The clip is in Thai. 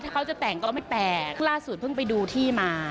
ได้ผสมปราสูนย์เพิ่งไปดูที่มา